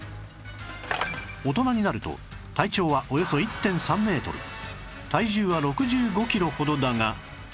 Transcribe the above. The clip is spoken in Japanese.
大人になると体長はおよそ １．３ メートル体重は６５キロほどだが